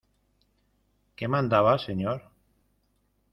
¿ qué mandaba, señor?